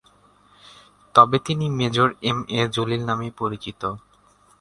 তবে তিনি major M A Jalil নামেই পরিচিত।